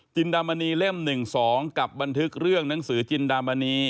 จินดามณีเล่ม๑๒กับบันทึกเรื่องหนังสือจินดามณี